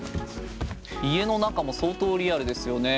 家の中も相当リアルですよね。